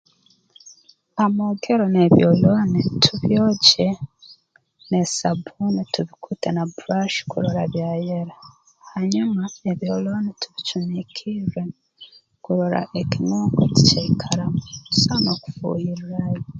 Amoogero n'ebyolooni tubyogye n'esabbuuni tubikuute na burrashi kurora byayera hanyuma ebyolooni tubicuumikirre kurora ekinunko tikyaikaramu tuso n'okufuuhirraayo